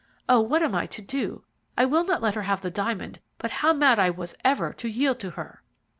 Oh, what am I to do? I will not let her have the diamond, but how mad I was ever to yield to her!"